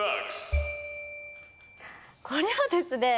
これはですね。